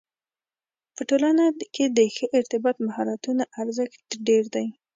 په ټولنه کې د ښه ارتباط مهارتونو ارزښت ډېر دی.